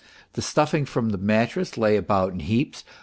The stuffing from the mattress lay about in heaps.